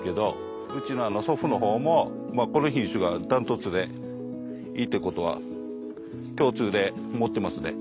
うちの祖父の方もこの品種がダントツでいいって事は共通で思ってますね。